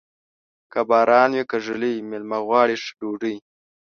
که باران وې که ږلۍ، مېلمه غواړي ښه مړۍ.